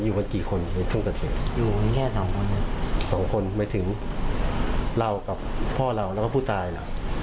อยู่กันกี่คนในช่วงเกิดเหตุอยู่ในแค่สองคนหมายถึงเรากับพ่อเราแล้วก็ผู้ตายล่ะ